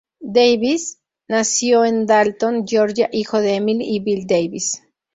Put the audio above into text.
Davies nació en Dalton, Georgia, hijo de Emily y Bill Davies.